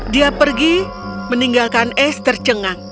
dia pergi meninggalkan ace tercengang